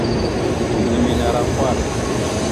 Zigla mene ara kwal.